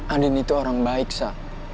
andin itu orang baik sah